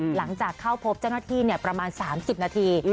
หลังจากเข้าพบเจ้าหน้าที่ประมาณ๓๐นาที